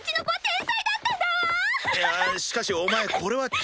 いやしかしお前これは中級の。